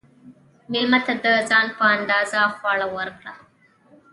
مېلمه ته د ځان په اندازه خواړه ورکړه.